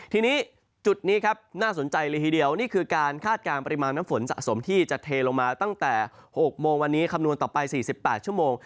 ทีนี้จุดนี้ครับน่าสนใจเลยทีเดียวนี่คือการคาดการณ์ปริมาณน้ำฝนสะสมที่จะเทลงมาตั้งแต่๖โมงวันนี้คำนวณต่อไป๔๘ชั่วโมง